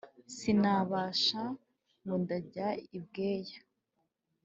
sinibasha ngo ndajya i bweya